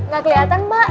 gak keliatan pak